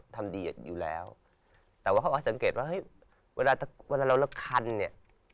แต่ว่าเขาสังเกตว่าเวลาเราละคันเนี่ย